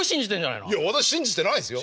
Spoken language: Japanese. いや私信じてないですよ。